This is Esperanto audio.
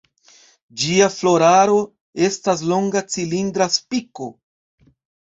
Ĝia floraro estas longa cilindra spiko.